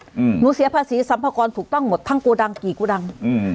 อืมหนูเสียภาษีสัมภากรถูกต้องหมดทั้งโกดังกี่โกดังอืม